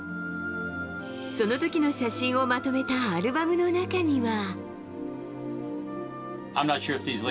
そのときの写真をまとめたアルバムの中には。